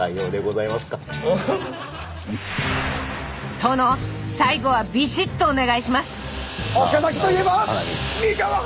殿最後はビシッとお願いします！